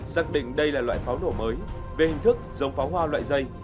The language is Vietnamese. xác định đây là loại pháo nổ mới về hình thức giống pháo hoa loại dây